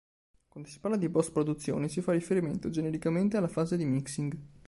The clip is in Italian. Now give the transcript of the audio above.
Quando si parla di post-produzione si fa riferimento, genericamente, alla fase di mixing.